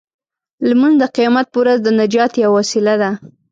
لمونځ د قیامت په ورځ د نجات یوه وسیله ده.